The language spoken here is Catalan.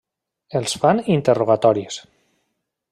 Els fan interrogatoris.